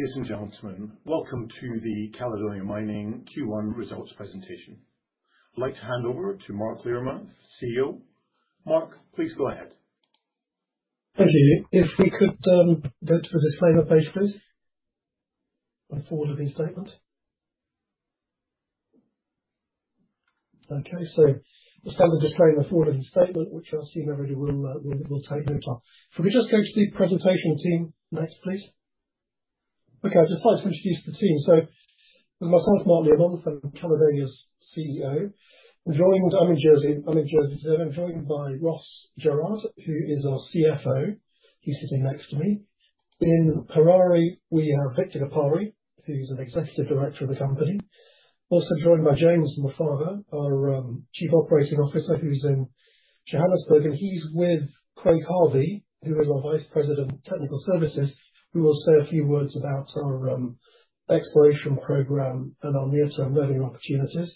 Ladies and gentlemen, welcome to the Caledonia Mining Q1 Results Presentation. I'd like to hand over to Mark Learmonth, CEO. Mark, please go ahead. Thank you. If we could, go to the disclaimer page, please, on the forwarding statement. Okay, so the standard disclaimer, forwarding statement, which I assume everybody will take note of. If we could just go to the presentation team next, please. Okay, I'd just like to introduce the team. So myself, Mark Learmonth, I'm Caledonia's CEO. I'm joined, I'm in Jersey. I'm in Jersey today. I'm joined by Ross Jerrard, who is our CFO. He's sitting next to me. In Harare, we have Victor Gapare, who's an executive director of the company. Also joined by James Mufara, our chief operating officer, who's in Johannesburg. He's with Craig Harvey, who is our vice president, technical services, who will say a few words about our exploration program and our near-term learning opportunities.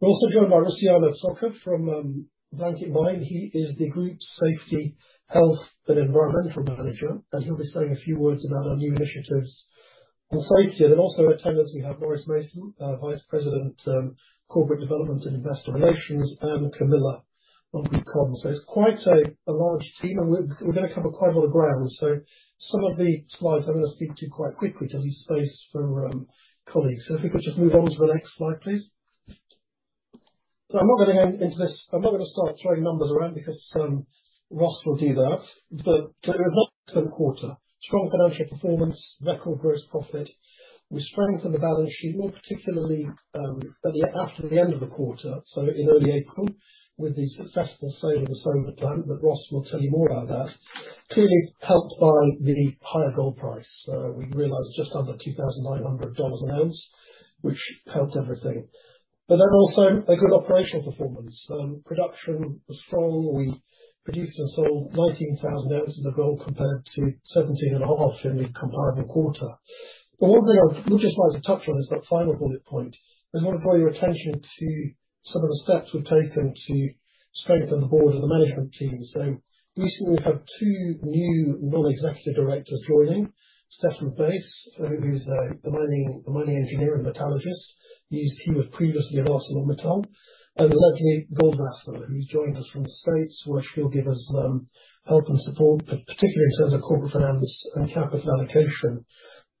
We're also joined by Rusiano Tsoka from Blanket Mine. He is the group's Safety, Health, and Environmental Manager, and he'll be saying a few words about our new initiatives on safety. Also, attendees, we have Maurice Mason, Vice President, Corporate Development and Investor Relations, and Camilla on Group Comms. It is quite a large team, and we are going to cover quite a lot of ground. Some of the slides I am going to speak to quite quickly to leave space for colleagues. If we could just move on to the next slide, please. I am not going to go into this—I am not going to start throwing numbers around because Ross will do that. It was not. Spent quarter: strong financial performance, record gross profit. We strengthened the balance sheet, more particularly, at the end of the quarter, in early April, with the successful sale of the solar plant. Ross will tell you more about that. Clearly helped by the higher gold price. We realized just under $2,900 an ounce, which helped everything. Also a good operational performance. Production was strong. We produced and sold 19,000 ounces of gold compared to 17 and a half in the comparable quarter. One thing I would just like to touch on is that final bullet point. I just wanna draw your attention to some of the steps we've taken to strengthen the board and the management team. Recently we've had two new non-executive directors joining: Stefan Hayden, who is a mining engineer and metallurgist, he was previously at ArcelorMittal, and Lesley Goldwasser, who's joined us from the States, where she'll give us help and support, particularly in terms of corporate finance and capital allocation.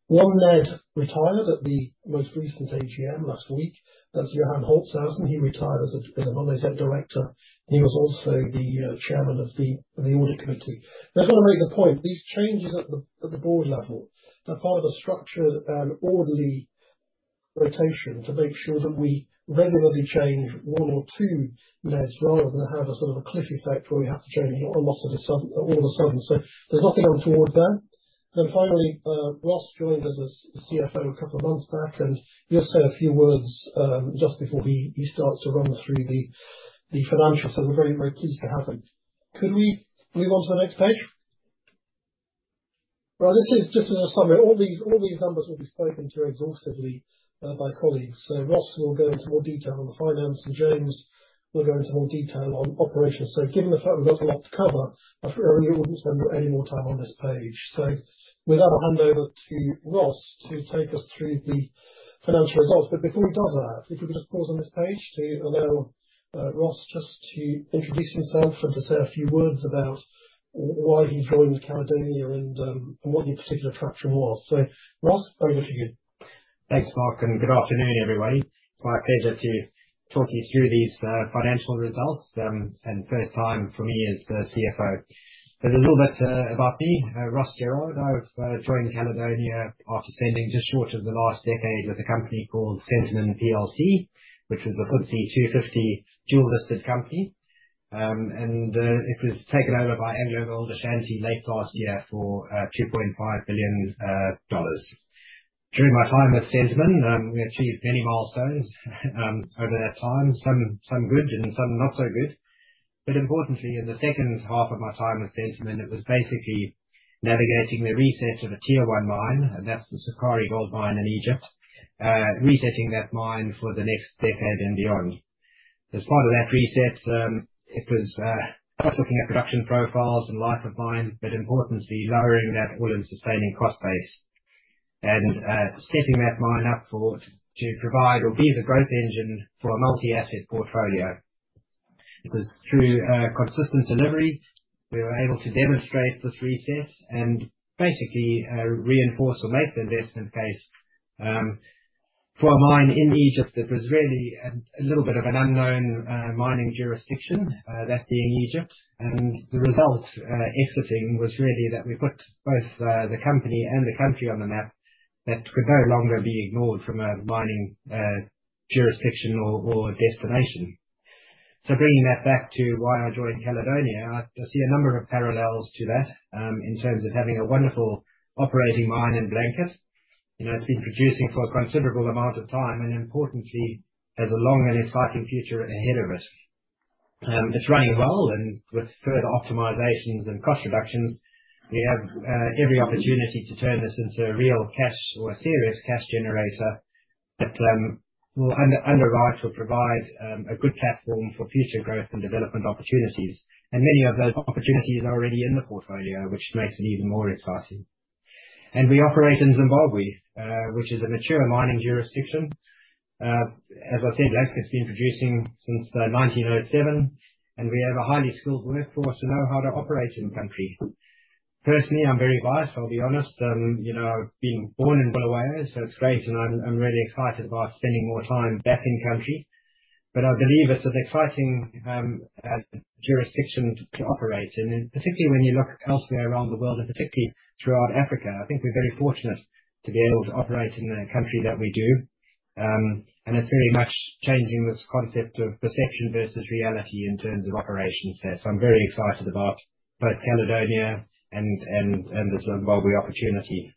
One NED retired at the most recent AGM last week. That's Johan Holtzhausen. He retired as a non-executive director, and he was also the chairman of the audit committee. I just wanna make the point: these changes at the board level, they're part of a structured and orderly rotation to make sure that we regularly change one or two NEDs rather than have a sort of a cliff effect where we have to change a lot all of a sudden. There's nothing untoward there. Finally, Ross joined as CFO a couple of months back, and he'll say a few words just before he starts to run through the financials. We're very, very pleased to have him. Could we move on to the next page? Right, this is just a summary. All these numbers will be spoken to exhaustively by colleagues. Ross will go into more detail on the finance, and James will go into more detail on operations. Given the fact we've got a lot to cover, I really would not spend any more time on this page. With that, I'll hand over to Ross to take us through the financial results. Before he does that, if we could just pause on this page to allow Ross to introduce himself and to say a few words about why he joined Caledonia and what your particular attraction was. Ross, over to you. Thanks, Mark. Good afternoon, everybody. It's my pleasure to talk you through these financial results. First time for me as the CFO. There's a little bit about me. Ross Jerrard. I've joined Caledonia after spending just short of the last decade with a company called Centamin PLC, which was a FTSE 250 dual-listed company. It was taken over by AngloGold Ashanti late last year for $2.5 billion. During my time at Centamin, we achieved many milestones over that time, some good and some not so good. Importantly, in the second half of my time at Centamin, it was basically navigating the reset of a tier one mine, and that's the Sukari Gold mine in Egypt, resetting that mine for the next decade and beyond. As part of that reset, it was looking at production profiles and life of mines, but importantly, lowering that all-in sustaining cost base and setting that mine up to provide or be the growth engine for a multi-asset portfolio. It was through consistent delivery we were able to demonstrate this reset and basically reinforce or make the investment case for a mine in Egypt that was really a little bit of an unknown mining jurisdiction, that being Egypt. The result, exiting, was really that we put both the company and the country on the map that could no longer be ignored from a mining jurisdiction or destination. Bringing that back to why I joined Caledonia, I see a number of parallels to that, in terms of having a wonderful operating mine in Blanket. You know, it's been producing for a considerable amount of time and, importantly, has a long and exciting future ahead of it. It's running well, and with further optimizations and cost reductions, we have every opportunity to turn this into a real cash or a serious cash generator that will underwrite or provide a good platform for future growth and development opportunities. Many of those opportunities are already in the portfolio, which makes it even more exciting. We operate in Zimbabwe, which is a mature mining jurisdiction. As I said, Blanket's been producing since 1907, and we have a highly skilled workforce who know how to operate in the country. Personally, I'm very biased, I'll be honest. You know, I've been born in Bulawayo, so it's great, and I'm really excited about spending more time back in country. I believe it's an exciting jurisdiction to operate in, particularly when you look elsewhere around the world and particularly throughout Africa. I think we're very fortunate to be able to operate in a country that we do. It's very much changing this concept of perception versus reality in terms of operations there. I'm very excited about both Caledonia and the Zimbabwe opportunity.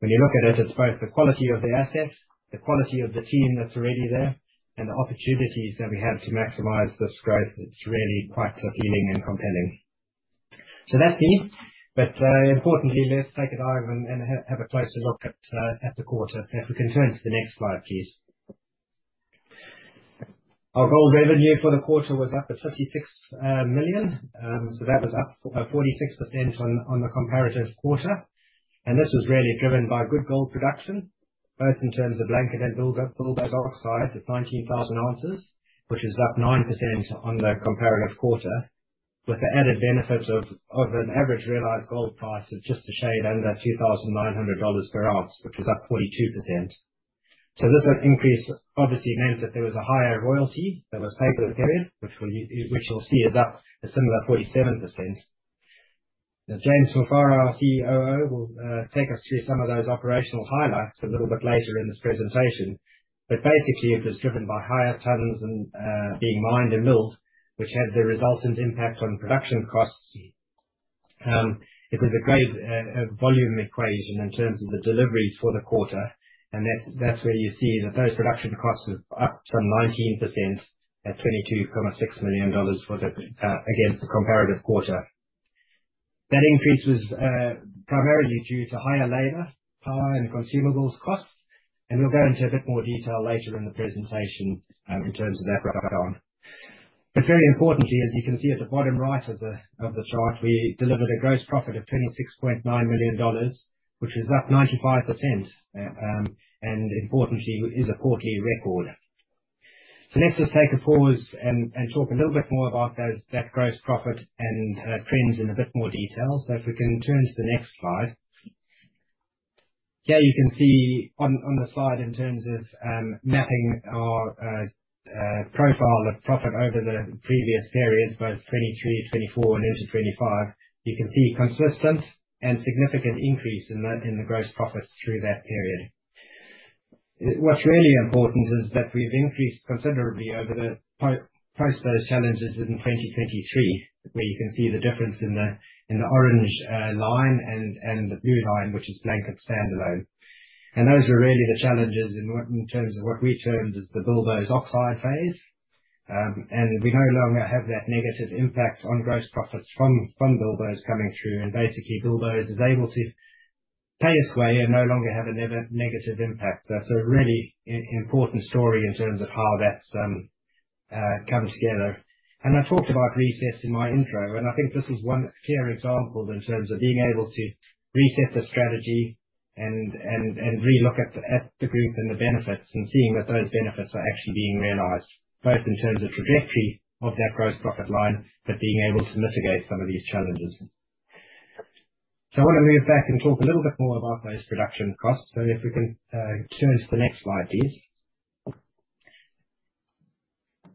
When you look at it, it's both the quality of the assets, the quality of the team that's already there, and the opportunities that we have to maximize this growth. It's really quite appealing and compelling. That's me. Importantly, let's take a dive and have a closer look at the quarter. If we can turn to the next slide, please. Our gold revenue for the quarter was up at $56 million. That was up 46% on the comparative quarter. This was really driven by good gold production, both in terms of Blanket and Bilboes Oxide. It is 19,000 ounces, which is up 9% on the comparative quarter, with the added benefit of an average realized gold price of just a shade under $2,900 per ounce, which is up 42%. This increase obviously meant that there was a higher royalty that was paid for the period, which you will see is up a similar 47%. Now, James Mufara, our CEO, will take us through some of those operational highlights a little bit later in this presentation. Basically, it was driven by higher tons being mined and milled, which had the resultant impact on production costs. It was a great volume equation in terms of the deliveries for the quarter. That's where you see that those production costs have upped some 19% at $22.6 million for the, against the comparative quarter. That increase was primarily due to higher labor, power, and consumables costs. We'll go into a bit more detail later in the presentation, in terms of that right on. Very importantly, as you can see at the bottom right of the chart, we delivered a gross profit of $26.9 million, which was up 95% and, importantly, is a quarterly record. Let's just take a pause and talk a little bit more about that gross profit and trends in a bit more detail. If we can turn to the next slide. Yeah, you can see on the slide in terms of mapping our profile of profit over the previous periods, both 2023, 2024, and into 2025, you can see consistent and significant increase in the gross profits through that period. What's really important is that we've increased considerably over the post those challenges in 2023, where you can see the difference in the orange line and the blue line, which is Blanket standalone. Those were really the challenges in terms of what we termed as the Bilboes Oxide phase. We no longer have that negative impact on gross profits from Bilboes coming through. Basically, Bilboes is able to pay its way and no longer have a negative impact. That's a really important story in terms of how that's come together. I talked about resets in my intro, and I think this is one clear example in terms of being able to reset the strategy and relook at the group and the benefits and seeing that those benefits are actually being realized, both in terms of trajectory of that gross profit line, but being able to mitigate some of these challenges. I want to move back and talk a little bit more about those production costs. If we can, turn to the next slide, please.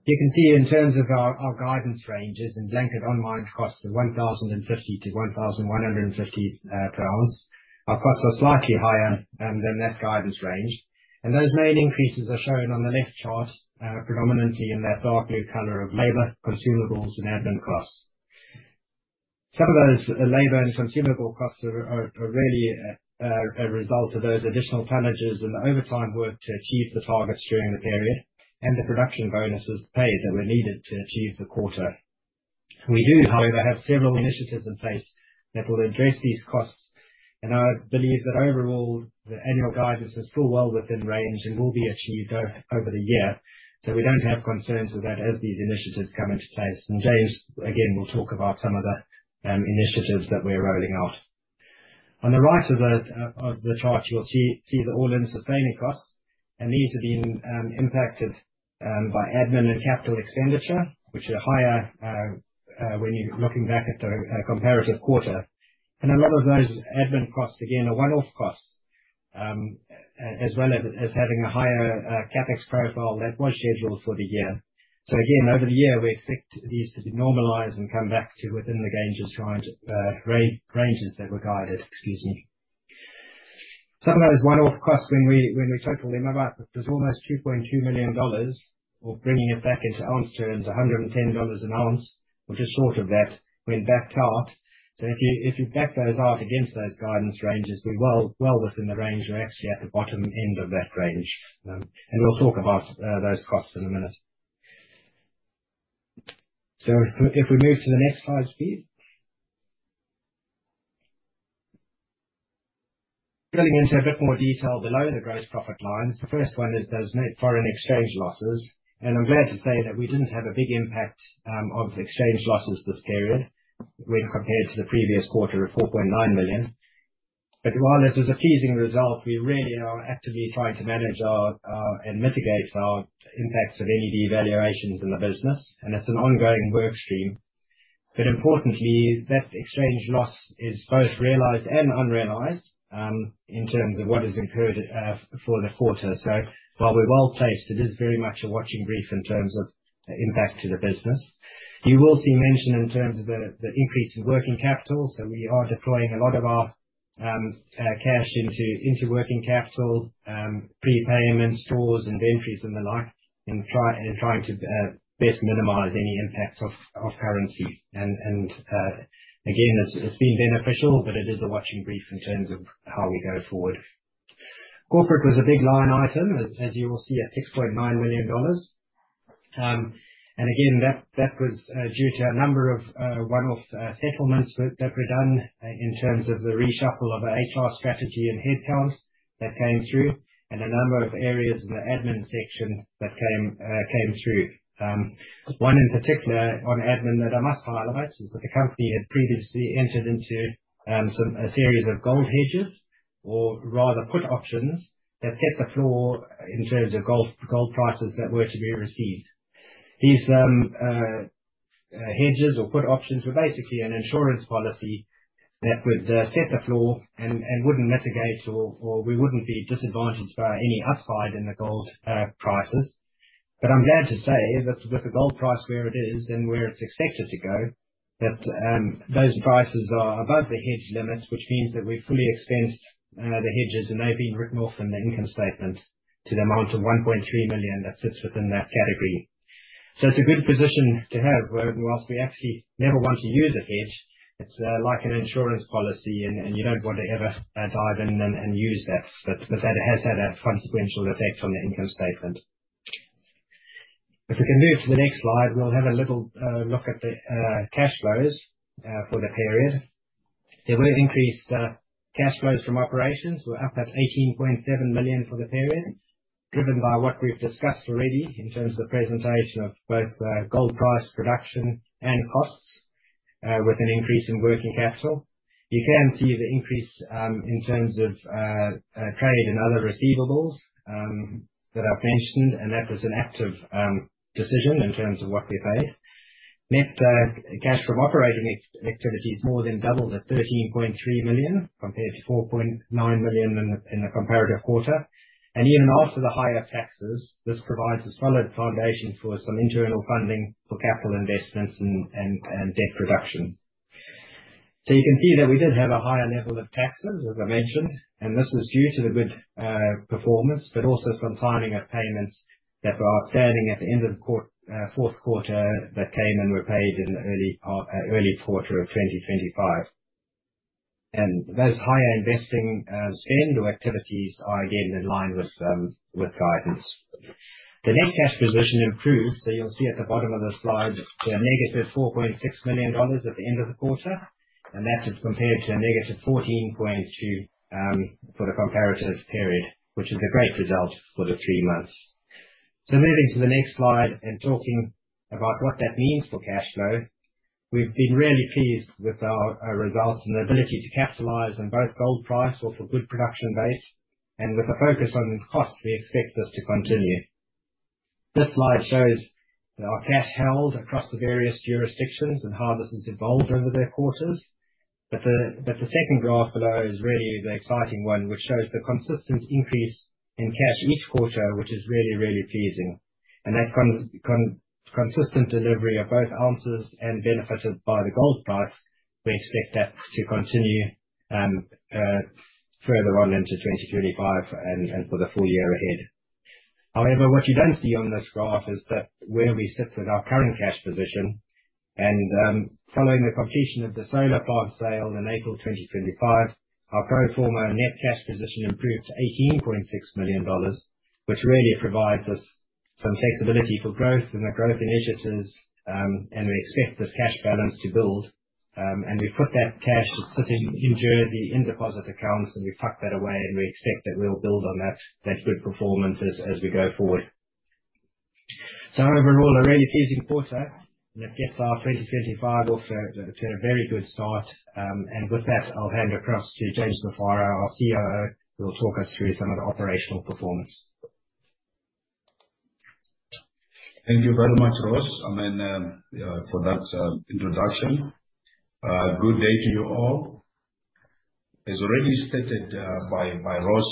You can see in terms of our guidance ranges in Blanket Mine costs of $1,050-$1,150 per ounce, our costs are slightly higher than that guidance range. Those main increases are shown on the left chart, predominantly in that dark blue color of labor, consumables, and admin costs. Some of those labor and consumable costs are really a result of those additional challenges and the overtime work to achieve the targets during the period and the production bonuses paid that were needed to achieve the quarter. We do, however, have several initiatives in place that will address these costs. I believe that overall, the annual guidance has fallen well within range and will be achieved over the year. We do not have concerns with that as these initiatives come into place. James, again, will talk about some of the initiatives that we are rolling out. On the right of the chart, you will see the all-in sustaining costs. These have been impacted by admin and capital expenditure, which are higher when you are looking back at the comparative quarter. A lot of those admin costs, again, are one-off costs, as well as having a higher CapEx profile that was scheduled for the year. Over the year, we expect these to be normalized and come back to within the ranges, ranges that were guided. Excuse me. Some of those one-off costs, when we total the amount, there is almost $2.2 million, or bringing it back into ounce terms, $110 an ounce, which is short of that when backed out. If you back those out against those guidance ranges, we are well within the range or actually at the bottom end of that range. We will talk about those costs in a minute. If we move to the next slide, please. Going into a bit more detail below the gross profit lines, the first one is those net foreign exchange losses. I'm glad to say that we did not have a big impact of exchange losses this period when compared to the previous quarter of $4.9 million. While this is a pleasing result, we really are actively trying to manage and mitigate our impacts of any devaluations in the business. It is an ongoing workstream. Importantly, that exchange loss is both realized and unrealized, in terms of what is incurred for the quarter. While we are well placed, it is very much a watching brief in terms of impact to the business. You will see mention in terms of the increase in working capital. We are deploying a lot of our cash into working capital, prepayments, stores, inventories, and the like, and trying to best minimize any impacts of currency. It has been beneficial, but it is a watching brief in terms of how we go forward. Corporate was a big line item, as you will see, at $6.9 million. That was due to a number of one-off settlements that were done in terms of the reshuffle of our HR strategy and headcount that came through and a number of areas in the admin section that came through. One in particular on admin that I must highlight is that the company had previously entered into a series of gold hedges or rather put options that set the floor in terms of gold prices that were to be received. These hedges or put options were basically an insurance policy that would set the floor and we would not be disadvantaged by any upside in the gold prices. I'm glad to say that with the gold price where it is and where it's expected to go, those prices are above the hedge limits, which means that we've fully expensed the hedges, and they've been written off in the income statement to the amount of $1.3 million that sits within that category. It's a good position to have whilst we actually never want to use a hedge. It's like an insurance policy, and you don't want to ever dive in and use that. That has had a consequential effect on the income statement. If we can move to the next slide, we'll have a little, look at the, cash flows, for the period. There were increased, cash flows from operations. We're up at $18.7 million for the period, driven by what we've discussed already in terms of the presentation of both, gold price production and costs, with an increase in working capital. You can see the increase, in terms of, trade and other receivables, that I've mentioned. That was an active, decision in terms of what we paid. Net, cash from operating activity is more than double at $13.3 million compared to $4.9 million in the in the comparative quarter. Even after the higher taxes, this provides a solid foundation for some internal funding for capital investments and and debt reduction. You can see that we did have a higher level of taxes, as I mentioned. This was due to the good performance, but also some timing of payments that were outstanding at the end of the fourth quarter that came and were paid in the early quarter of 2025. Those higher investing spend or activities are again in line with guidance. The net cash position improved. You'll see at the bottom of the slide, negative $4.6 million at the end of the quarter. That is compared to a negative $14.2 million for the comparative period, which is a great result for the three months. Moving to the next slide and talking about what that means for cash flow, we've been really pleased with our results and the ability to capitalize on both gold price or for good production base and with a focus on costs we expect this to continue. This slide shows our cash held across the various jurisdictions and how this has evolved over the quarters. The second graph below is really the exciting one, which shows the consistent increase in cash each quarter, which is really, really pleasing. That consistent delivery of both ounces and benefited by the gold price, we expect that to continue, further on into 2025 and for the full year ahead. However, what you do not see on this graph is where we sit with our current cash position. Following the completion of the solar plant sale in April 2025, our pro forma net cash position improved to $18.6 million, which really provides us some flexibility for growth and the growth initiatives. We expect this cash balance to build. and we put that cash sitting in Jersey in deposit accounts, and we tuck that away, and we expect that we'll build on that good performance as we go forward. Overall, a really pleasing quarter. It gets our 2025 off to a very good start. With that, I'll hand across to James Mufara, our COO, who will talk us through some of the operational performance. Thank you very much, Ross. I mean, for that introduction. Good day to you all. As already stated by Ross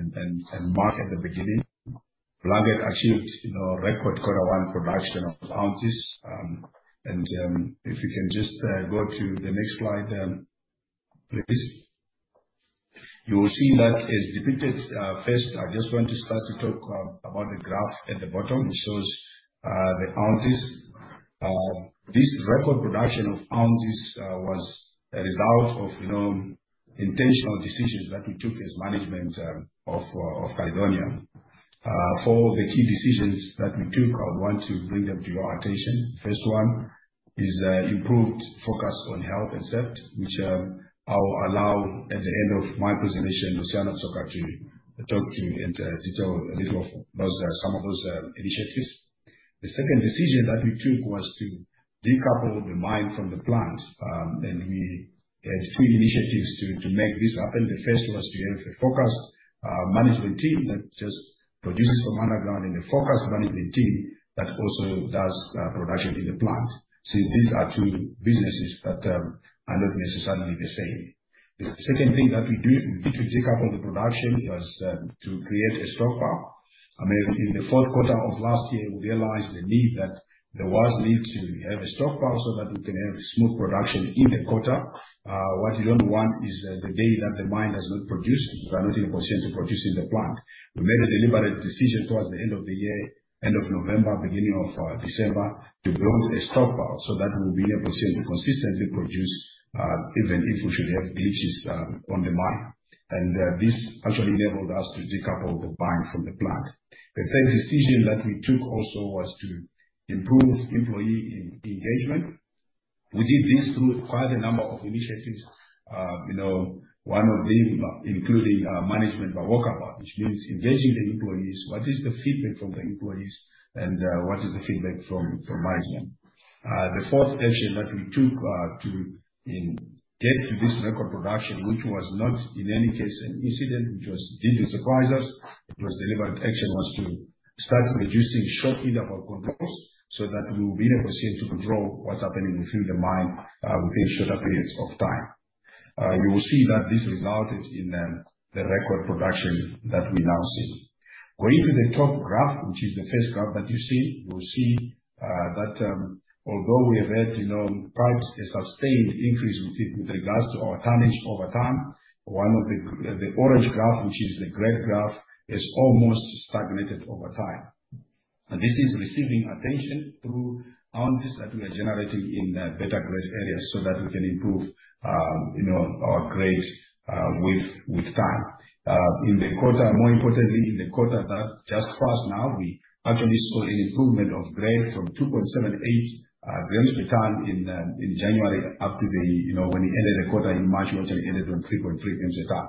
and Mark at the beginning, Blanket achieved, you know, record quarter one production of ounces. If you can just go to the next slide, please, you will see that is depicted. First, I just want to start to talk about the graph at the bottom, which shows the ounces. This record production of ounces was a result of, you know, intentional decisions that we took as management, of, of Caledonia. For the key decisions that we took, I want to bring them to your attention. The first one is, improved focus on health and safety, which, I'll allow at the end of my presentation, Rusiano Tsoka to talk to and, detail a little of those, some of those, initiatives. The second decision that we took was to decouple the mine from the plant. We had three initiatives to make this happen. The first was to have a focused, management team that just produces from underground and a focused management team that also does, production in the plant. These are two businesses that, are not necessarily the same. The second thing that we do to decouple the production was, to create a stockpile. I mean, in the fourth quarter of last year, we realized the need that there was need to have a stockpile so that we can have a smooth production in the quarter. What you don't want is the day that the mine does not produce, we are not in a position to produce in the plant. We made a deliberate decision towards the end of the year, end of November, beginning of December, to build a stockpile so that we'll be in a position to consistently produce, even if we should have glitches, on the mine. This actually enabled us to decouple the mine from the plant. The third decision that we took also was to improve employee engagement. We did this through quite a number of initiatives. You know, one of them, including management by walkabout, which means engaging the employees. What is the feedback from the employees? What is the feedback from management? The fourth action that we took to get to this record production, which was not in any case an incident, which did not surprise us, it was delivered action, was to start reducing short interval controls so that we will be in a position to control what's happening within the mine, within shorter periods of time. You will see that this resulted in the record production that we now see. Going to the top graph, which is the first graph that you see, you will see that although we have had, you know, quite a sustained increase with regards to our tonnage over time, one of the orange graph, which is the gray graph, has almost stagnated over time. This is receiving attention through ounces that we are generating in better grade areas so that we can improve, you know, our grade with time. In the quarter, more importantly, in the quarter that just passed now, we actually saw an improvement of grade from 2.78 grams per ton in January up to, you know, when we ended the quarter in March, which ended on 3.3 grams per ton.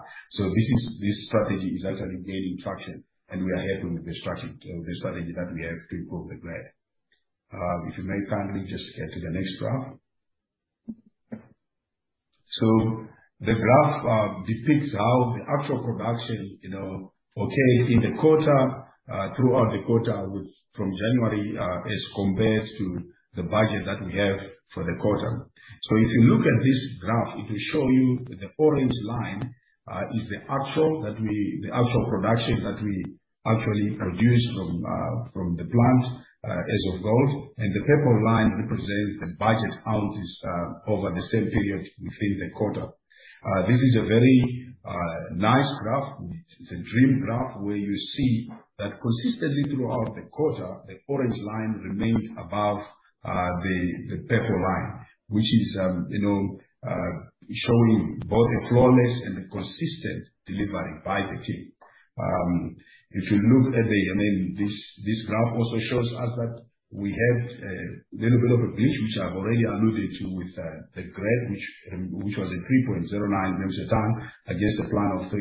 This strategy is actually gaining traction. We are happy with the strategy that we have to improve the grade. If you may kindly just get to the next graph. The graph depicts how the actual production, you know, occurred in the quarter, throughout the quarter, which from January, is compared to the budget that we have for the quarter. If you look at this graph, it will show you the orange line is the actual production that we actually produce from the plant, as of gold. The purple line represents the budget ounces over the same period within the quarter. This is a very nice graph, the dream graph, where you see that consistently throughout the quarter, the orange line remained above the purple line, which is, you know, showing both a flawless and a consistent delivery by the team. If you look at the, I mean, this graph also shows us that we have a little bit of a glitch, which I've already alluded to with the grade, which was 3.09 grams per ton against a plan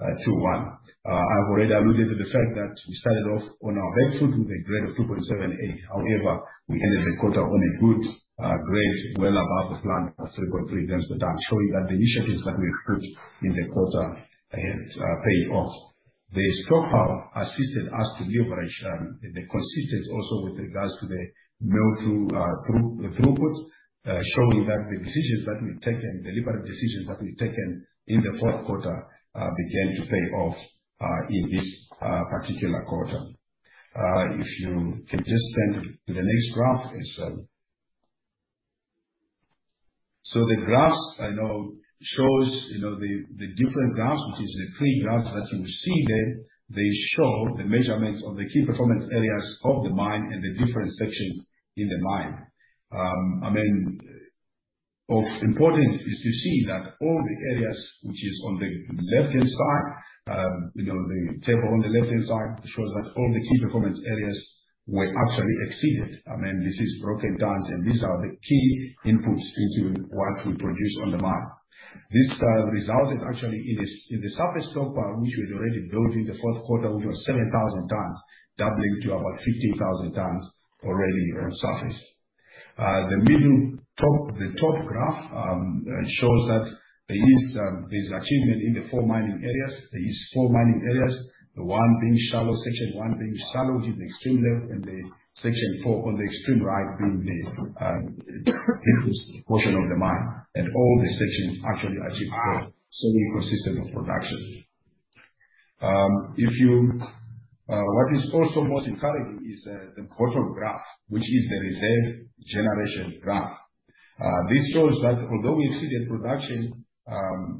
of 3.21. I've already alluded to the fact that we started off on our breakthrough with a grade of 2.78. However, we ended the quarter on a good grade, well above the plan of 3.3 grams per ton, showing that the initiatives that we've put in the quarter had paid off. The stockpile assisted us to leverage the consistency also with regards to the mill throughput, showing that the decisions that we've taken, deliberate decisions that we've taken in the fourth quarter, began to pay off in this particular quarter. If you can just turn to the next graph, the graphs show the different graphs, which is the three graphs that you will see there, they show the measurements of the key performance areas of the mine and the different sections in the mine. I mean, of importance is to see that all the areas, which is on the left-hand side, you know, the table on the left-hand side shows that all the key performance areas were actually exceeded. I mean, this is broken down, and these are the key inputs into what we produce on the mine. This resulted actually in the surface stockpile, which we had already built in the fourth quarter, which was 7,000 tons, doubling to about 15,000 tons already on surface. The middle top, the top graph, shows that there is, there's achievement in the four mining areas. There are four mining areas, the one being shallow section, one being shallow which is the extreme left, and the section four on the extreme right being the deepest portion of the mine. All the sections actually achieved so consistent of production. If you, what is also most encouraging is, the quarter graph, which is the reserve generation graph. This shows that although we exceeded production,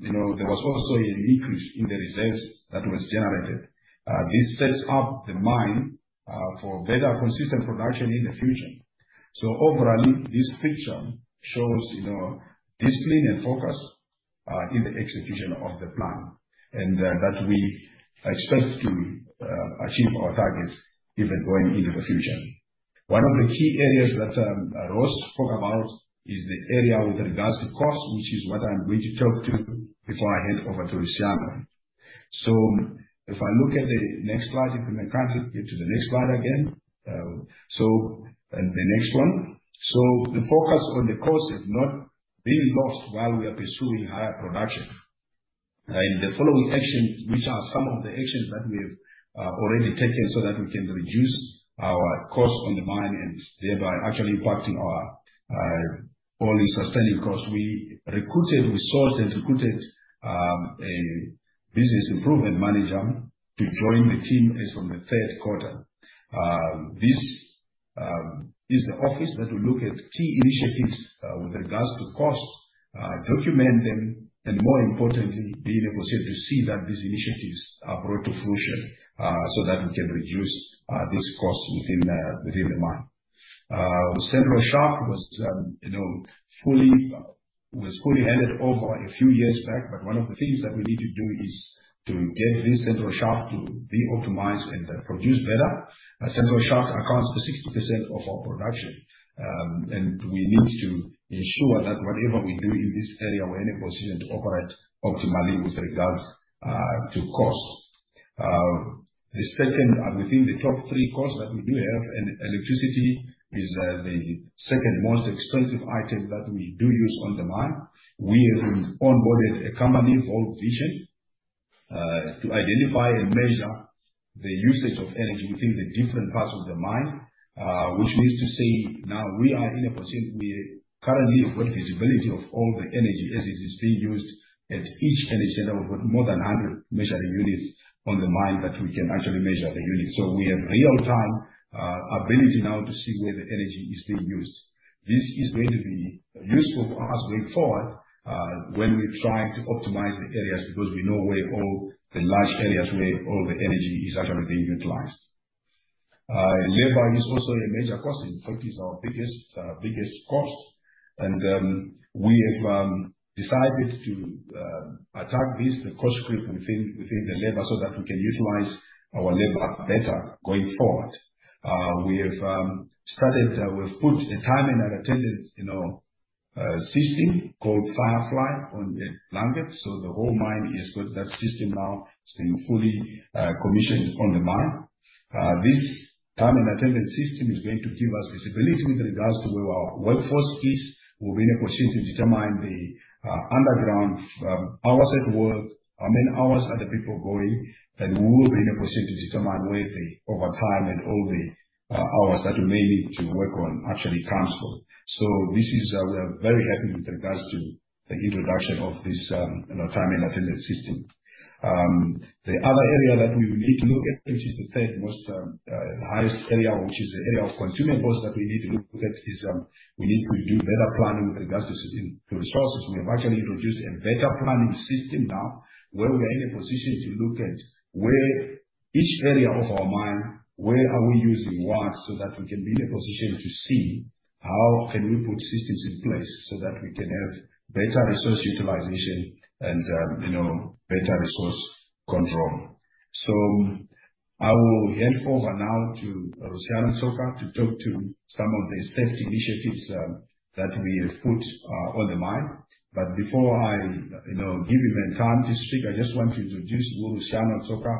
you know, there was also a decrease in the reserves that was generated. This sets up the mine for better consistent production in the future. Overall, this picture shows, you know, discipline and focus in the execution of the plan, and that we expect to achieve our targets even going into the future. One of the key areas that Ross spoke about is the area with regards to cost, which is what I'm going to talk to before I head over to Rusiano. If I look at the next slide, if you may kindly get to the next slide again, and the next one. The focus on the cost has not been lost while we are pursuing higher production. The following actions, which are some of the actions that we have already taken so that we can reduce our cost on the mine and thereby actually impacting our only sustaining cost, we recruited, we sourced and recruited a business improvement manager to join the team as from the third quarter. This is the office that will look at key initiatives with regards to cost, document them, and more importantly, being able to see that these initiatives are brought to fruition so that we can reduce this cost within the mine. Central shaft was, you know, fully handed over a few years back. One of the things that we need to do is to get this central shaft to be optimized and produce better. Central shaft accounts for 60% of our production. We need to ensure that whatever we do in this area, we're in a position to operate optimally with regards to cost. The second, and within the top three costs that we do have, electricity is the second most expensive item that we do use on the mine. We have onboarded a company called Vision to identify and measure the usage of energy within the different parts of the mine, which means to say now we are in a position, we currently have good visibility of all the energy as it is being used at each energy center. We've got more than 100 measuring units on the mine that we can actually measure the units. We have real-time ability now to see where the energy is being used. This is going to be useful for us going forward, when we try to optimize the areas because we know where all the large areas, where all the energy is actually being utilized. Labor is also a major cost. In fact, it's our biggest cost. We have decided to attack this, the cost script within the labor so that we can utilize our labor better going forward. We have started, we've put a time and attendance, you know, system called Firefly on Blanket. The whole mine has got that system now, it's been fully commissioned on the mine. This time and attendance system is going to give us visibility with regards to where our workforce is. We'll be in a position to determine the underground hours at work, I mean, hours that the people going, and we will be in a position to determine where the overtime and all the hours that we may need to work on actually comes from. This is, we are very happy with regards to the introduction of this time and attendance system. The other area that we need to look at, which is the third most, highest area, which is the area of consumables that we need to look at, is we need to do better planning with regards to resources. We have actually introduced a better planning system now where we are in a position to look at where each area of our mine, where are we using what so that we can be in a position to see how can we put systems in place so that we can have better resource utilization and, you know, better resource control. I will hand over now to Rusiano Tsoka to talk to some of the safety initiatives, that we have put, on the mine. Before I, you know, give him time to speak, I just want to introduce Rusiano Tsoka.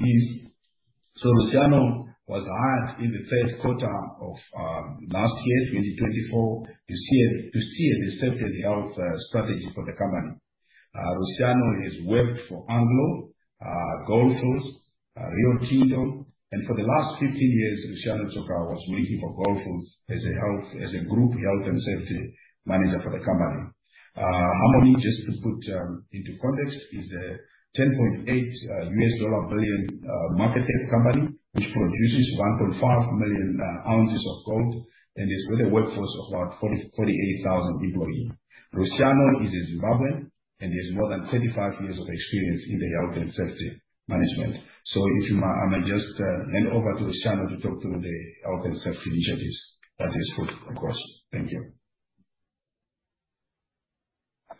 Rusiano was hired in the third quarter of last year, 2024. You see it, you see it, the safety and health strategy for the company. Rusiano has worked for Anglo, Gold Fields, Rio Tinto. For the last 15 years, Rusiano Tsoka was working for Gold Fields as a group health and safety manager for the company. Harmony, just to put into context, is a $10.8 billion market cap company, which produces 1.5 million ounces of gold and is with a workforce of about 48,000 employees. Rusiano is a Zimbabwean, and he has more than 35 years of experience in health and safety management. If you may, I may just hand over to Rusiano Tsoka talk to the health and safety initiatives that he has put across. Thank you.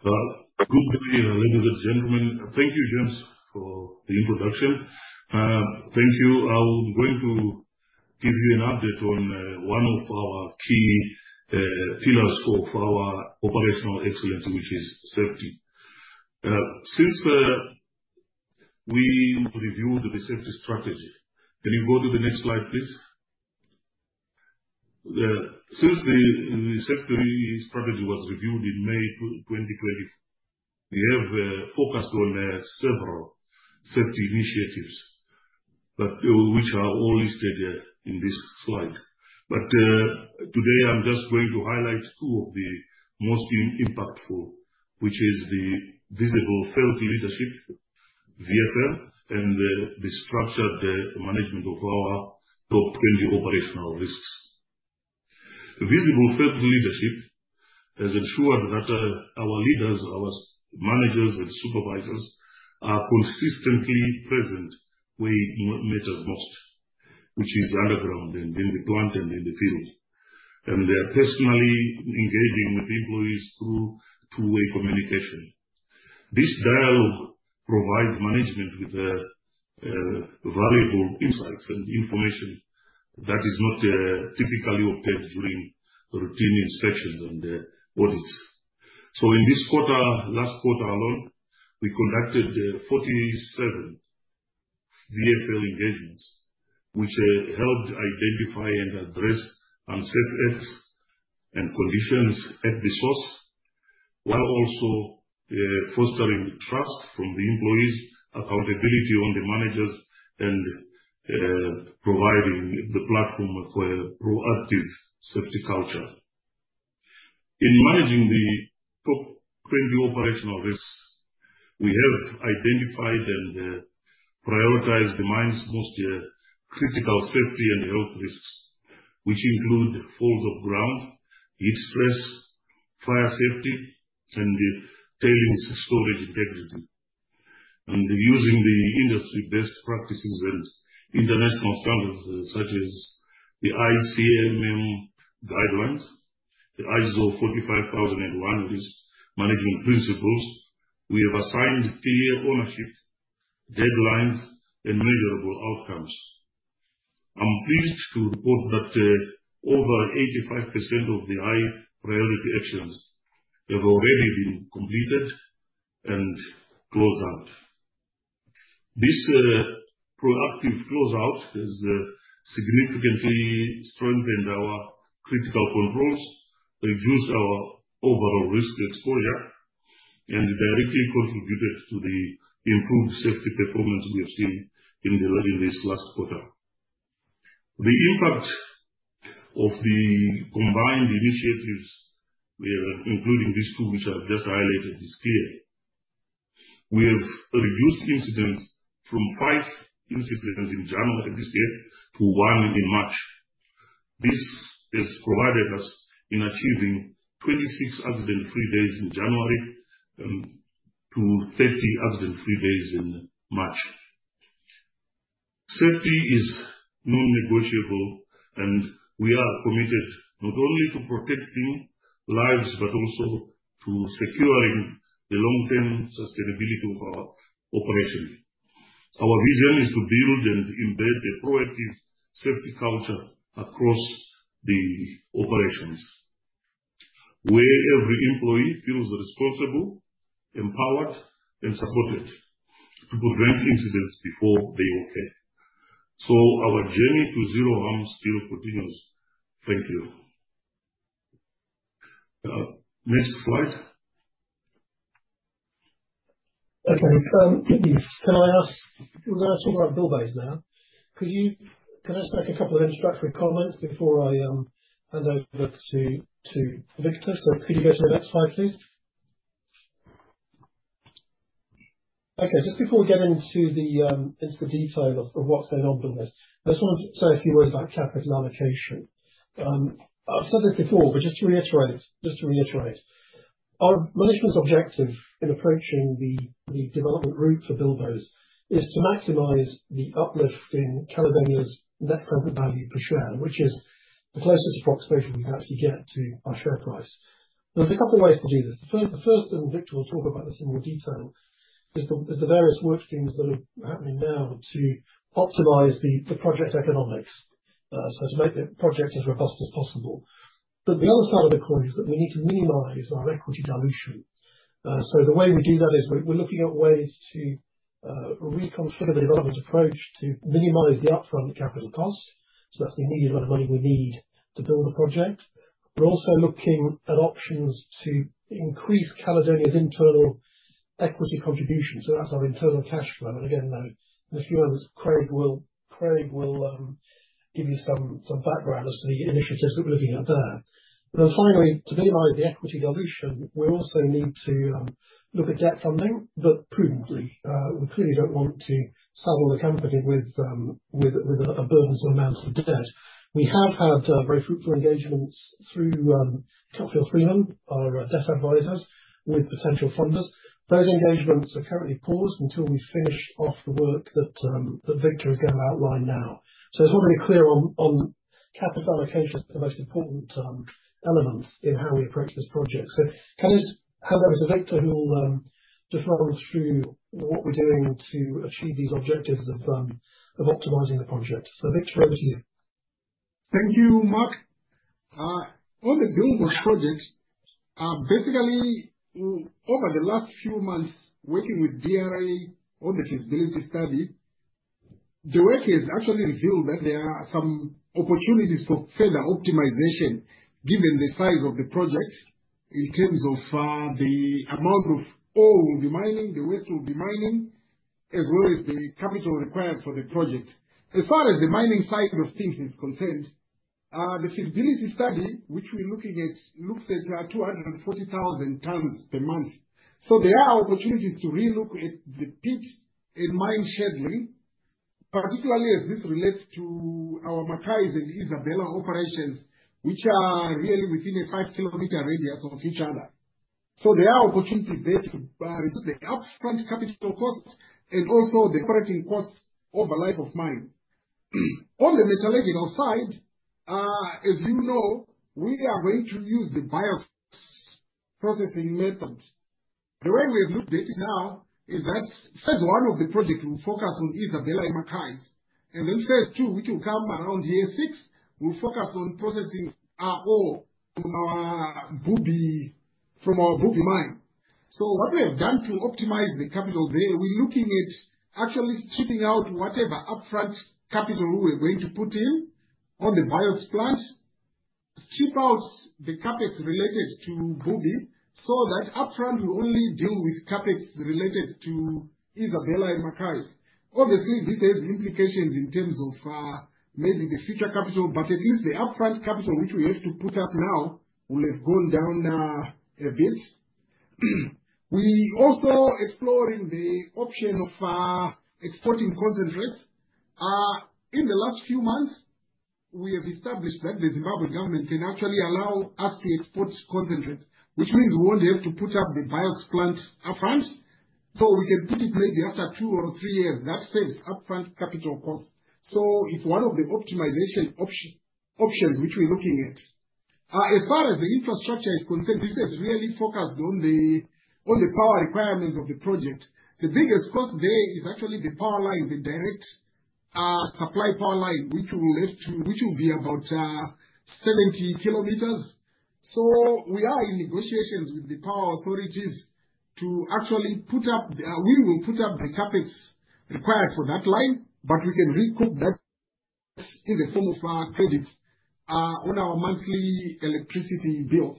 Good morning, ladies and gentlemen. Thank you, James, for the introduction. Thank you. I'm going to give you an update on one of our key pillars of our operational excellence, which is safety. Since we reviewed the safety strategy, can you go to the next slide, please? Since the safety strategy was reviewed in May 2024, we have focused on several safety initiatives that are all listed in this slide. Today, I'm just going to highlight two of the most impactful, which is the visible felt leadership, VFL, and the structured management of our top 20 operational risks. Visible felt leadership has ensured that our leaders, our managers, and supervisors are consistently present where it matters most, which is the underground and in the plant and in the field, and they are personally engaging with the employees through two-way communication. This dialogue provides management with valuable insights and information that is not typically obtained during routine inspections and audits. In this quarter, last quarter alone, we conducted 47 VFL engagements, which helped identify and address unsafe acts and conditions at the source, while also fostering trust from the employees, accountability on the managers, and providing the platform for a proactive safety culture. In managing the top 20 operational risks, we have identified and prioritized the mine's most critical safety and health risks, which include falls off ground, heat stress, fire safety, and tailings storage integrity. Using the industry best practices and international standards such as the ICMM guidelines, the ISO 45001 risk management principles, we have assigned clear ownership deadlines and measurable outcomes. I'm pleased to report that over 85% of the high priority actions have already been completed and closed out. This proactive closeout has significantly strengthened our critical controls, reduced our overall risk exposure, and directly contributed to the improved safety performance we have seen in this last quarter. The impact of the combined initiatives, including these two which I've just highlighted, is clear. We have reduced incidents from five incidents in January this year to one in March. This has provided us in achieving 26 accident-free days in January and 30 accident-free days in March. Safety is non-negotiable, and we are committed not only to protecting lives but also to securing the long-term sustainability of our operation. Our vision is to build and embed a proactive safety culture across the operations where every employee feels responsible, empowered, and supported to prevent incidents before they occur. Our journey to zero harm still continues. Thank you. Next slide. Okay. Can I ask, we're going to talk about Bilboes now. Could you, can I just make a couple of introductory comments before I hand over to Victor? Could you go to the next slide, please? Okay. Just before we get into the detail of what's going on with this, I just want to say a few words about capital allocation. I've said this before, but just to reiterate, our management's objective in approaching the development route for Bilboes is to maximize the uplift in Caledonia's net present value per share, which is the closest approximation we can actually get to our share price. There's a couple of ways to do this. The first, and Victor will talk about this in more detail, is the various work streams that are happening now to optimize the project economics, to make the project as robust as possible. The other side of the coin is that we need to minimize our equity dilution. The way we do that is we're looking at ways to reconfigure the development approach to minimize the upfront capital cost. That's the immediate amount of money we need to build a project. We're also looking at options to increase Caledonia's internal equity contribution. That's our internal cash flow. In a few moments, Craig will give you some background as to the initiatives that we're looking at there. Finally, to minimize the equity dilution, we also need to look at debt funding, but prudently. We clearly do not want to saddle the company with a burdensome amount of debt. We have had very fruitful engagements through Cutfield Freeman, our debt advisors, with potential funders. Those engagements are currently paused until we finish off the work that Victor is going to outline now. I just want to be clear on capital allocation as the most important element in how we approach this project. Can I just hand over to Victor, who will define through what we are doing to achieve these objectives of optimizing the project? Victor, over to you. Thank you, Mark. On the Bilboes project, basically over the last few months working with DRA, all the feasibility study, the work has actually revealed that there are some opportunities for further optimization given the size of the project in terms of the amount of ore we will be mining, the waste we will be mining, as well as the capital required for the project. As far as the mining side of things is concerned, the feasibility study, which we are looking at, looks at 240,000 tons per month. There are opportunities to relook at the pit and mine shed line, particularly as this relates to our McKays and Isabella operations, which are really within a 5 km radius of each other. There are opportunities there to reduce the upfront capital cost and also the operating cost over life of mine. On the metallurgical side, as you know, we are going to use the bioprocessing method. The way we have looked at it now is that phase one of the project will focus on Isabella and McKays, and then phase two, which will come around year six, will focus on processing ore from our Bubi, from our Bubi mine. What we have done to optimize the capital there, we're looking at actually stripping out whatever upfront capital we're going to put in on the BIOX plant, strip out the CapEx related to Bubi so that upfront we only deal with CapEx related to Isabella and McKays. Obviously, this has implications in terms of, maybe the future capital, but at least the upfront capital which we have to put up now will have gone down, a bit. We are also exploring the option of exporting concentrates. In the last few months, we have established that the Zimbabwe government can actually allow us to export concentrates, which means we won't have to put up the Biox plant upfront. We can put it maybe after two or three years. That saves upfront capital cost. It is one of the optimization options which we're looking at. As far as the infrastructure is concerned, this has really focused on the power requirements of the project. The biggest cost there is actually the power line, the direct supply power line, which will be about 70 km. We are in negotiations with the power authorities to actually put up the CapEx required for that line, but we can recoup that in the form of credits on our monthly electricity bill.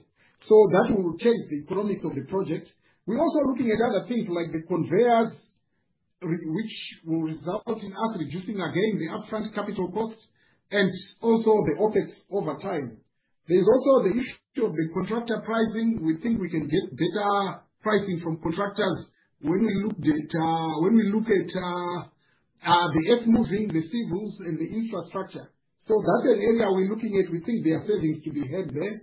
That will change the economics of the project. We're also looking at other things like the conveyors, which will result in us reducing again the upfront capital cost and also the office over time. There's also the issue of the contractor pricing. We think we can get better pricing from contractors when we look at the earth moving, the civils and the infrastructure. That's an area we're looking at. We think there are savings to be had there.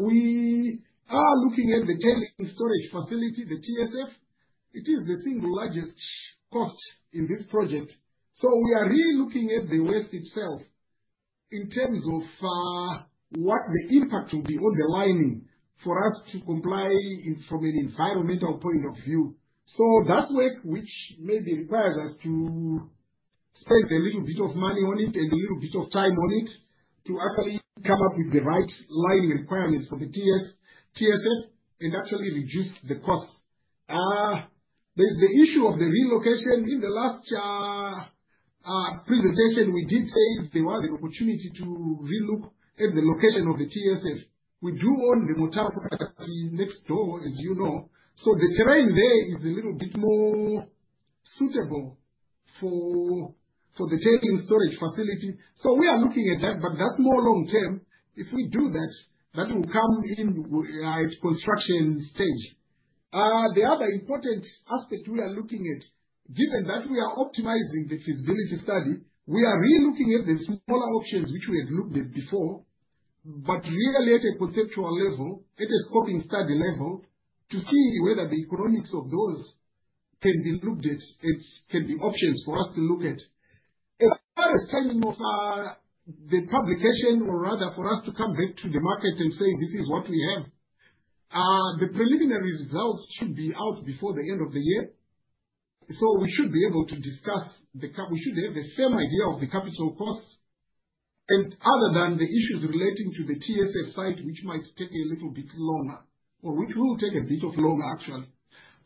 We are looking at the tailings storage facility, the TSF. It is the single largest cost in this project. We are really looking at the waste itself in terms of what the impact will be on the lining for us to comply from an environmental point of view. That's work which maybe requires us to spend a little bit of money on it and a little bit of time on it to actually come up with the right lining requirements for the TSF and actually reduce the cost. There's the issue of the relocation. In the last presentation, we did say there was an opportunity to relook at the location of the TSF. We do own the Motapa property next door, as you know. The terrain there is a little bit more suitable for the tailings storage facility. We are looking at that, but that's more long-term. If we do that, that will come in at construction stage. The other important aspect we are looking at, given that we are optimizing the feasibility study, we are re-looking at the smaller options which we have looked at before, but really at a conceptual level, at a scoping study level to see whether the economics of those can be looked at as can be options for us to look at. As far as timing of the publication, or rather for us to come back to the market and say, "This is what we have," the preliminary results should be out before the end of the year. We should be able to discuss the cap. We should have the same idea of the capital costs and other than the issues relating to the TSF site, which might take a little bit longer, or which will take a bit of longer, actually.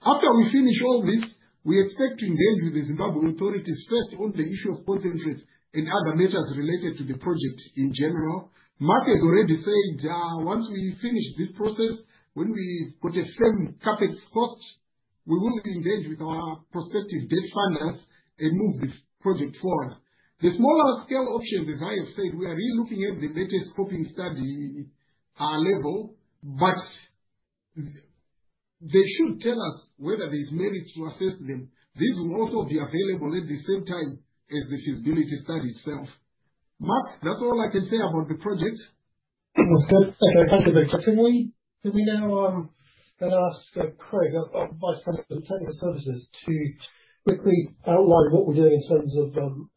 After we finish all this, we expect to engage with the Zimbabwe authorities first on the issue of concentrates and other matters related to the project in general. Mark has already said, once we finish this process, when we've got the same CapEx cost, we will engage with our prospective debt funders and move this project forward. The smaller scale options, as I have said, we are re-looking at the later scoping study level, but they should tell us whether there's merit to assess them. These will also be available at the same time as the feasibility study itself. Mark, that's all I can say about the project. Okay. Thank you very much. Can we now then ask Craig, our Vice President of Technical Services, to quickly outline what we're doing in terms of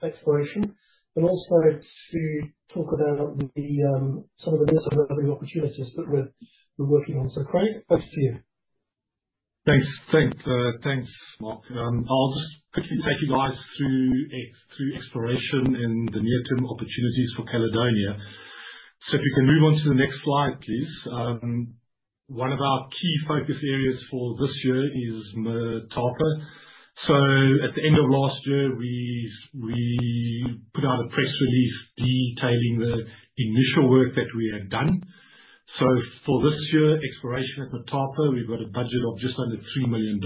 exploration, but also to talk about some of the developing opportunities that we're working on? Craig, over to you. Thanks. Thanks, Mark. I'll just quickly take you guys through exploration and the near-term opportunities for Caledonia. If we can move on to the next slide, please. One of our key focus areas for this year is Motapa. At the end of last year, we put out a press release detailing the initial work that we had done. For this year, exploration at Motapa, we've got a budget of just under $3 million.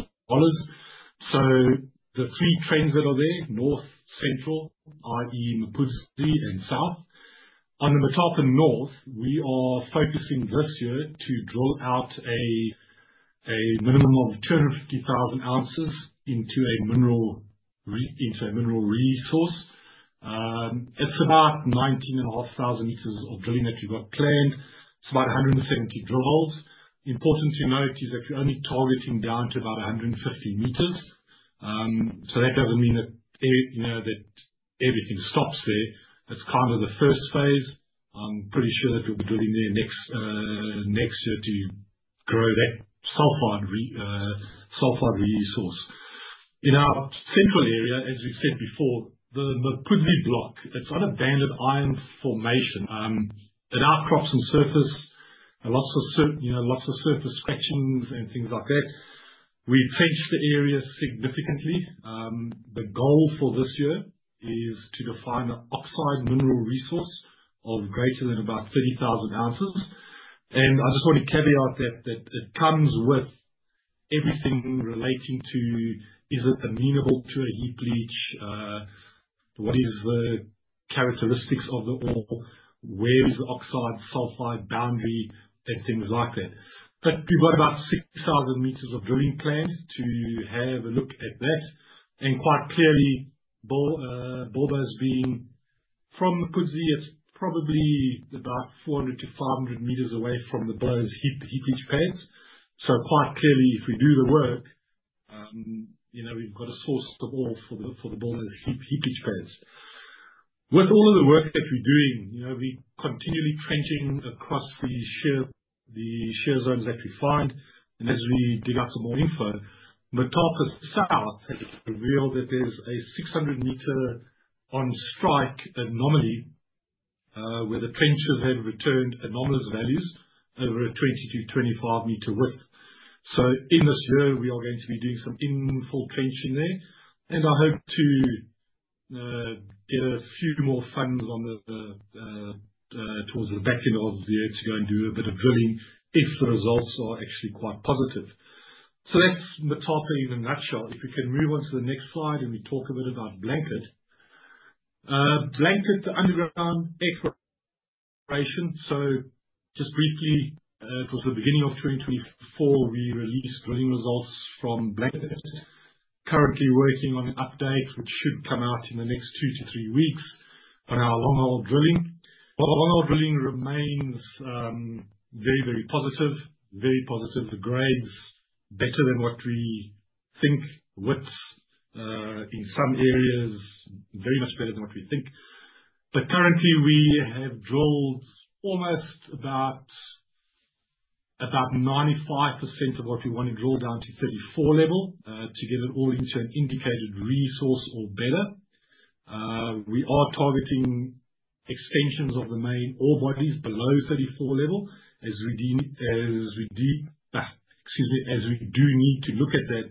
The three trends that are there, north, central, i.e., Mpudzi, and south. On the Motapa north, we are focusing this year to drill out a minimum of 250,000 ounces into a mineral, into a mineral resource. It's about 19,500 m of drilling that we've got planned. It's about 170 drill holes. Important to note is that we're only targeting down to about 150 m. That doesn't mean that, you know, that everything stops there. It's kind of the first phase. I'm pretty sure that we'll be drilling there next year to grow that sulfide resource. In our central area, as we've said before, the Mpudzi block, it's an abandoned iron formation. At our crops and surface, lots of, you know, lots of surface scratchings and things like that. We've fenced the area significantly. The goal for this year is to define an oxide mineral resource of greater than about 30,000 ounces. I just want to caveat that, that it comes with everything relating to, is it amenable to a heap leach? What are the characteristics of the ore? Where is the oxide sulfide boundary and things like that? We have about 6,000 m of drilling planned to have a look at that. Quite clearly, Bilboes being from Mpudzi, it is probably about 400-500 m away from the Bilboes heap leach pads. Quite clearly, if we do the work, you know, we have a source of ore for the Bilboes heap leach pads. With all of the work that we are doing, you know, we are continually trenching across the shear, the shear zones that we find. As we dig up some more info, Motapa south has revealed that there is a 600-m on-strike anomaly, where the trenches have returned anomalous values over a 20-25 m width. In this year, we are going to be doing some infill trenching there. I hope to get a few more funds towards the back end of the year to go and do a bit of drilling if the results are actually quite positive. That is Motapa in a nutshell. If we can move on to the next slide and talk a bit about Blanket. Blanket, the underground exploration. Just briefly, towards the beginning of 2024, we released drilling results from Blanket, currently working on an update which should come out in the next two to three weeks on our long-haul drilling. Long-haul drilling remains very, very positive, very positive. The grades are better than what we think, widths, in some areas, very much better than what we think. Currently, we have drilled almost about 95% of what we want to drill down to 34 level, to get it all into an indicated resource or better. We are targeting extensions of the main ore bodies below 34 level as we do need to look at that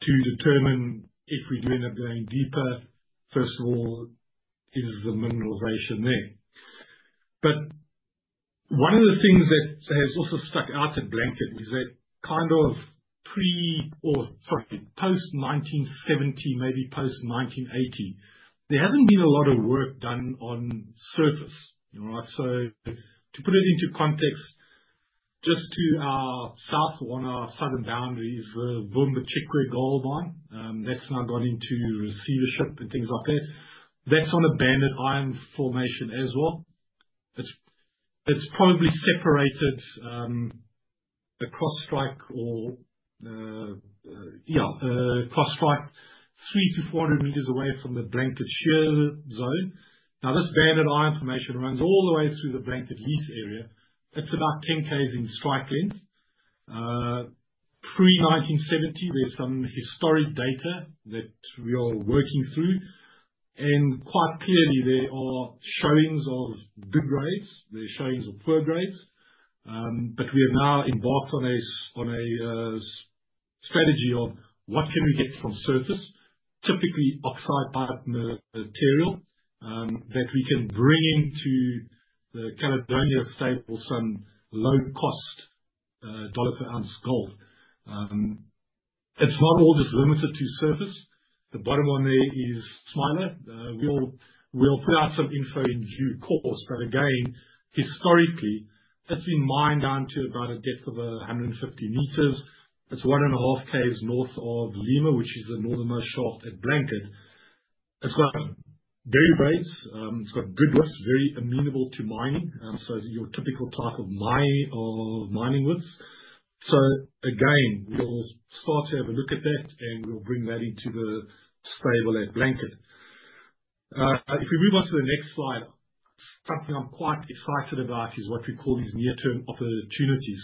to determine if we do end up going deeper. First of all, is the mineralization there? One of the things that has also stuck out at Blanket is that kind of pre, or sorry, post-1970, maybe post-1980, there has not been a lot of work done on surface, you know, right? To put it into context, just to our south on our southern boundaries, the Vumbachikwe Mine, that's now gone into receivership and things like that. That's on banded iron formation as well. It's probably separated, cross strike or, yeah, cross strike 300-400 meters away from the Blanket share zone. Now, this banded iron formation runs all the way through the Blanket lease area. It's about 10 km in strike length. Pre-1970, there's some historic data that we are working through. And quite clearly, there are showings of good grades. There are showings of poor grades. We have now embarked on a strategy of what can we get from surface, typically oxide-type material, that we can bring into the Caledonia stable, some low-cost, dollar-per-ounce gold. It's not all just limited to surface. The bottom one there is miner. We'll put out some info in due course. Again, historically, it's been mined down to about a depth of 150 m. It's one and a half kilometers north of Lima, which is the northernmost shelf at Blanket. It's got very good grades, it's got good widths, very amenable to mining, so your typical type of mining widths. Again, we'll start to have a look at that and we'll bring that into the stable at Blanket. If we move on to the next slide, something I'm quite excited about is what we call these near-term opportunities.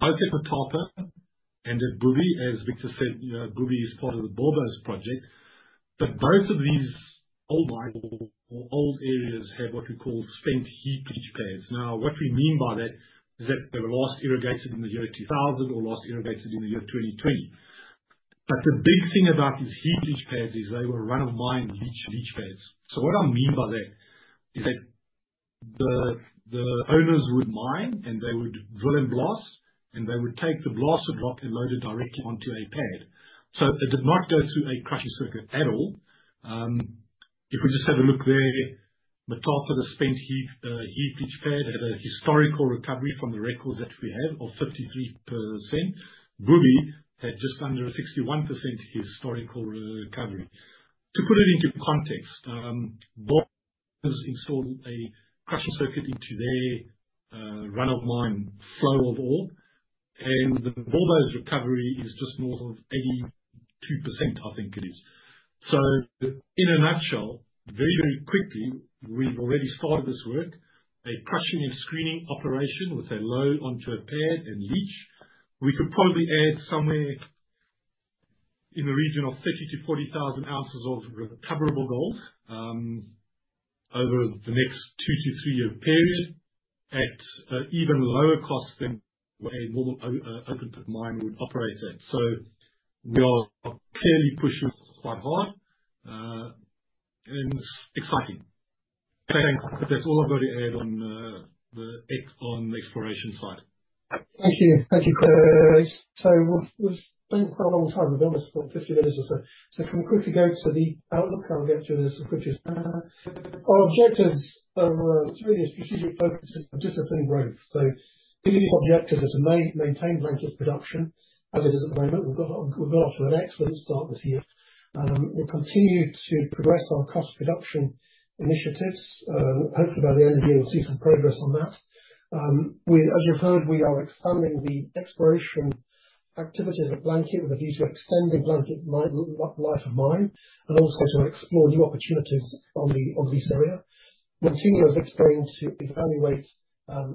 Both at Motapa and at Bubi, as Victor said, you know, Bubi is part of the Bilboes project. Both of these old mines or old areas have what we call spent heap leach pads. Now, what we mean by that is that they were last irrigated in the year 2000 or last irrigated in the year 2020. The big thing about these heap leach pads is they were run-of-mine leach pads. What I mean by that is that the owners would mine and they would drill and blast, and they would take the blasted rock and load it directly onto a pad. It did not go through a crushing circuit at all. If we just have a look there, Motapa's spent heap leach pad had a historical recovery from the records that we have of 53%. Bubi had just under a 61% historical recovery. To put it into context, Bilboes installed a crushing circuit into their run-of-mine flow of ore. The Bilboes recovery is just north of 82%, I think it is. In a nutshell, very, very quickly, we've already started this work, a crushing and screening operation with a load onto a pad and leach. We could probably add somewhere in the region of 30,000-40,000 ounces of recoverable gold over the next two- to three-year period at even lower cost than a normal open-pit mine would operate at. We are clearly pushing quite hard, and it's exciting. Okay. Thanks. That's all I've got to add on the exploration side. Thank you. Thank you, Craig. We've spent quite a long time with us, for 50 minutes or so. Can we quickly go to the outlook and get to the quickest? Our objectives are really a strategic focus and disciplined growth. These objectives are to maintain Blanket's production as it is at the moment. We've got off to an excellent start this year. We'll continue to progress our cost production initiatives. Hopefully by the end of the year, we'll see some progress on that. As you've heard, we are expanding the exploration activities at Blanket with a view to extending Blanket's life of mine and also to explore new opportunities on the lease area. [inaudible] explained to evaluate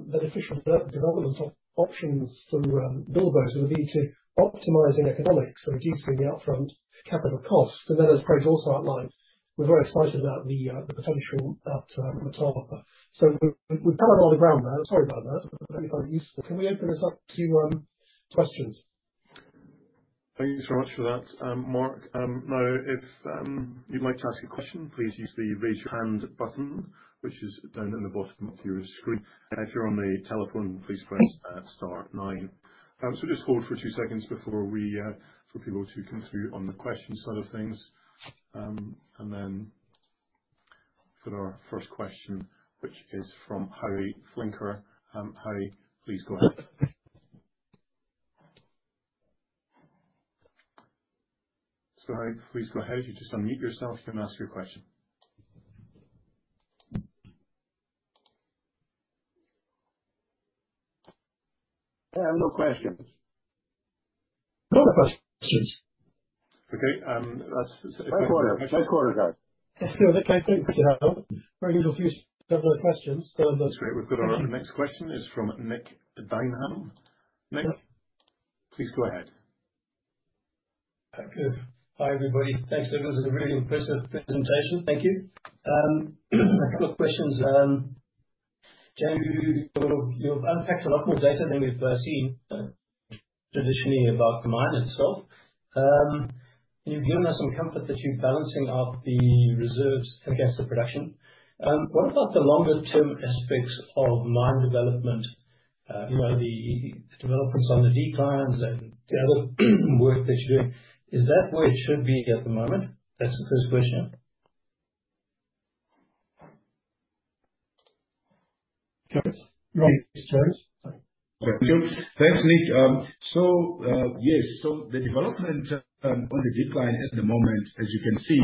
beneficial development options through Bilboes with a view to optimizing economics and reducing the upfront capital costs. As Craig also outlined, we're very excited about the potential at Motapa. We've done a lot of ground there. Sorry about that. I hope you found it useful. Can we open this up to questions? Thanks very much for that, Mark. Now, if you'd like to ask a question, please use the raise your hand button, which is down at the bottom of your screen. If you're on the telephone, please press star nine. Just hold for two seconds for people to come through on the question side of things. For our first question, which is from Harry Flinker. Harry, please go ahead. You just unmute yourself. You can ask your question. I have no questions. No questions. Okay. That's my quarter. My quarter time. Thank you for your help. Very good. We'll do a few several questions. That's great. Our next question is from Nick Dinham. Nick, please go ahead. Thank you. Hi, everybody. Thanks. It was a really impressive presentation. Thank you. A couple of questions. James, you've unpacked a lot more data than we've seen traditionally about the mine itself, and you've given us some comfort that you're balancing out the reserves against the production. What about the longer-term aspects of mine development, you know, the developments on the declines and the other work that you're doing? Is that where it should be at the moment? That's the first question. Thanks, James. Thank you. Thanks, Nick. Yes. The development on the decline at the moment, as you can see,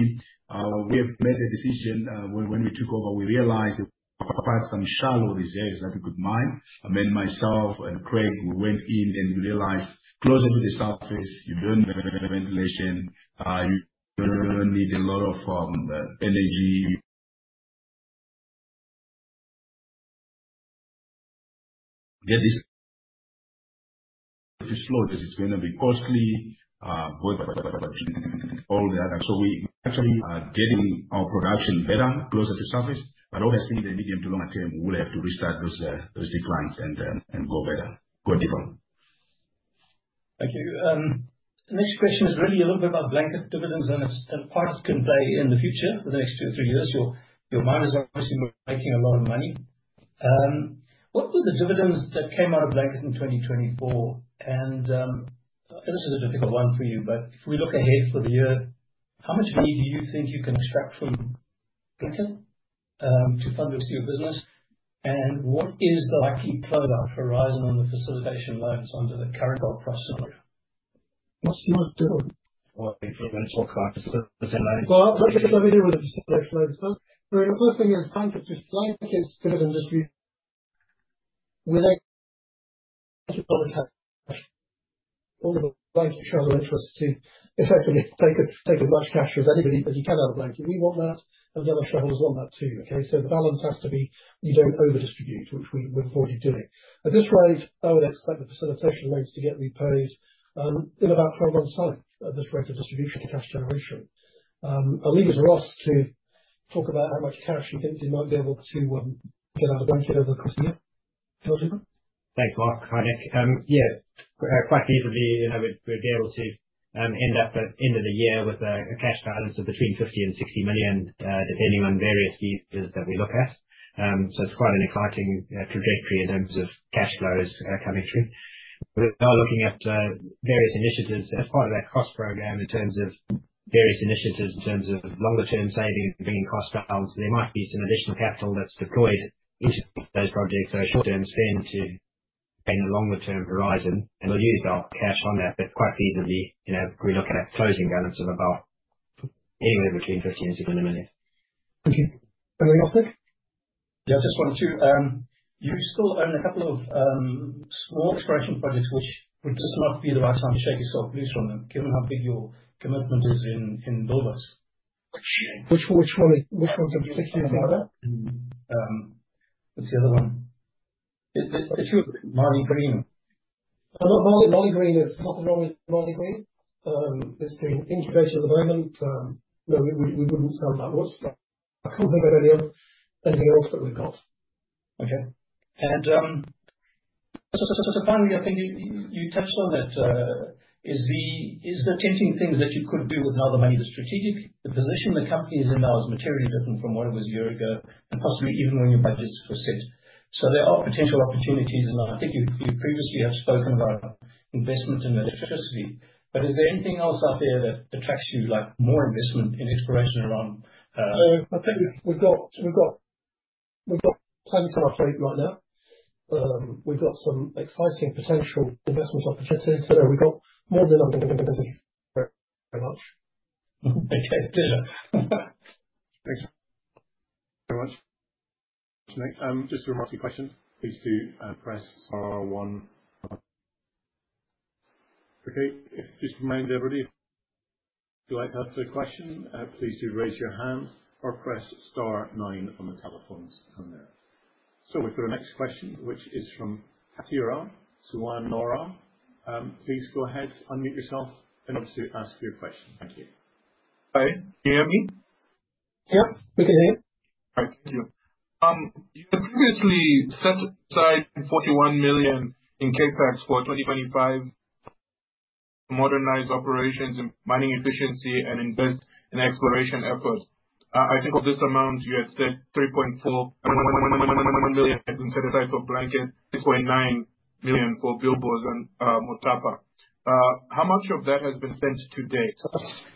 we have made a decision. When we took over, we realized that we had some shallow reserves that we could mine. I mean, myself and Craig, we went in and we realized closer to the surface, you don't need ventilation, you don't need a lot of energy. Get this to slow because it's going to be costly, both all the. We actually are getting our production better, closer to surface. Obviously, in the medium to longer term, we will have to restart those declines and go deeper. Thank you. The next question is really a little bit about Blanket dividends and its part it can play in the future for the next two or three years. Your mine is obviously making a lot of money. What were the dividends that came out of Blanket in 2024? This is a difficult one for you, but if we look ahead for the year, how much money do you think you can extract from Blanket to fund your business? What is the likely close-out horizon on the facilitation loans under the current gold price scenario? What's the most important or influential crisis in. Let's just start with the facilitation loans. The first thing is Blanket, just Blanket's dividend distribution without all the Blanket shareholder interest to effectively take as much cash as anybody as you can out of Blanket. We want that, and the other shareholders want that too, okay? The balance has to be you do not over-distribute, which we have already done. At this rate, I would expect the facilitation loans to get repaid in about 12 months' time at this rate of distribution to cash generation. I will leave it to Ross to talk about how much cash he thinks he might be able to get out of Blanket over the course of the year. Thanks, Mark. Hi, Nick. Yeah, quite easily, you know, we would be able to end up at the end of the year with a cash balance of between $50 million and $60 million, depending on various features that we look at. so it's quite an exciting trajectory in terms of cash flows coming through. We are looking at various initiatives as part of that cost program in terms of various initiatives in terms of longer-term saving and bringing costs down. There might be some additional capital that's deployed into those projects, so short-term spend to gain a longer-term horizon. We'll use our cash on that, but quite feasibly, you know, we look at closing balance of about anywhere between $50 million and $60 million. Thank you. Anything else, Nick? Yeah, I just wanted to, you still own a couple of small exploration projects, which would just not be the right time to shake yourself loose from them, given how big your commitment is in Bilboes. Which, which one, which one's in particular? What's the other one? It's your Maligreen. Maligreen is not the wrong Maligreen. It's being incubated at the moment. No, we wouldn't sell that. What's a company about anything else that we've got? Okay. Finally, I think you touched on that. Is the tempting things that you could do with now the money, the strategic, the position the company is in now is materially different from what it was a year ago and possibly even when your budgets were set. There are potential opportunities, and I think you previously have spoken about investment in electricity. Is there anything else out there that attracts you, like more investment in exploration around? I think we've got plenty to update right now. We've got some exciting potential investment opportunities. We've got more than much. Okay. Thanks very much, Mark. Just a few last few questions. Please do, press star one. Okay. If just remind everybody, if you'd like to ask a question, please do raise your hand or press star nine on the telephones on there. We've got a next question, which is from. [inaudible] Please go ahead, unmute yourself, and obviously ask your question. Thank you. Hi, can you hear me? Yep, we can hear you. All right. Thank you. You had previously set aside $41 million in CapEx for 2025 to modernize operations and mining efficiency and invest in exploration efforts. I think of this amount, you had said $3.4 million set aside for Blanket, $6.9 million for Bilboes and Motapa. How much of that has been spent to date?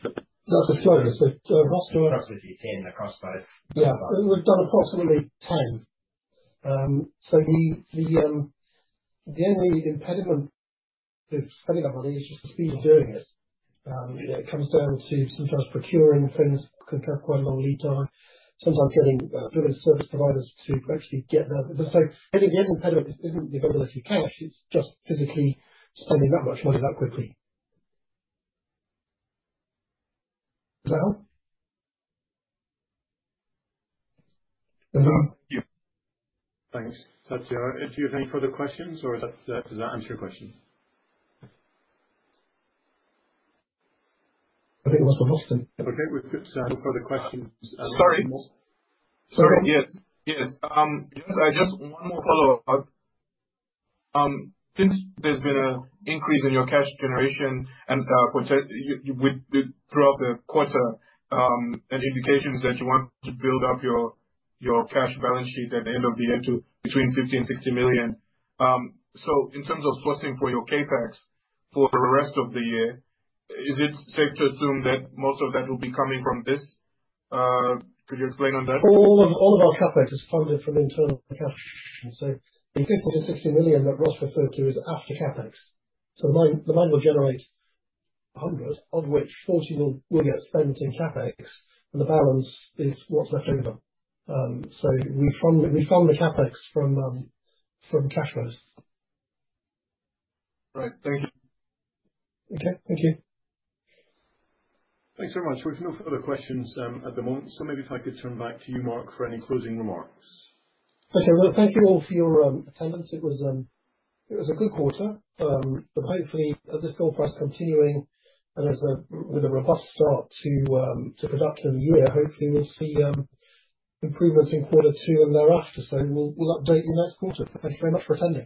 That's a slow. So roughly $10 million across both. Yeah. We've done approximately $10 million. The only impediment of spending that money is just the speed of doing it. You know, it comes down to sometimes procuring things can have quite a long lead time, sometimes getting service providers to actually get that. The only impediment is not the availability of cash. It is just physically spending that much money that quickly. Does that help? Thank you. Thanks. Do you have any further questions or does that answer your question? I think it was for Boston. Okay. We are good to have further questions. Sorry. Sorry. Yes. Yes. I just have one more follow-up. Since there has been an increase in your cash generation and potential throughout the quarter, and indications that you want to build up your cash balance sheet at the end of the year to between $50 million and $60 million, in terms of sourcing for your CapEx for the rest of the year, is it safe to assume that most of that will be coming from this? Could you explain on that?. All of our CapEx is funded from internal cash. The $50 million-$60 million that Ross referred to is after CapEx. The mine will generate $100 million, of which $40 million will get spent in CapEx, and the balance is what is left over. We fund the CapEx from cash flows. Right. Thank you. Thank you. Thanks very much. We have no further questions at the moment. Maybe I could turn back to you, Mark, for any closing remarks. Thank you all for your attendance. It was a good quarter, but hopefully as this gold price continues and with a robust start to production of the year, hopefully we will see improvements in quarter two and thereafter. We will update you next quarter. Thank you very much for attending.